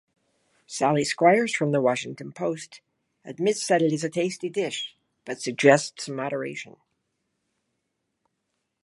Sally Squires from the “Washington Post” admits that it is a tasty dish, but suggests moderation.